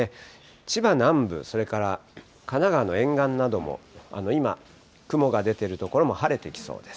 千葉南部、それから神奈川の沿岸なども今、雲が出ている所も晴れてきそうです。